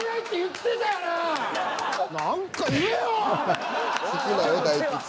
何か言えよ！